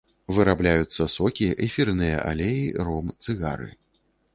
Вырабляюцца сокі, эфірныя алеі, ром, цыгары.